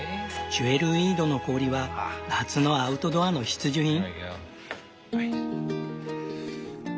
ジュエルウィードの氷は夏のアウトドアの必需品。